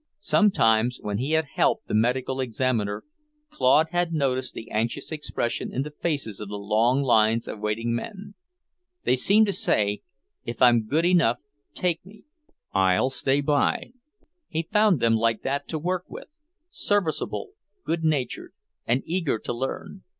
Sometimes, when he had helped the medical examiner, Claude had noticed the anxious expression in the faces of the long lines of waiting men. They seemed to say, "If I'm good enough, take me. I'll stay by." He found them like that to work with; serviceable, good natured, and eager to learn.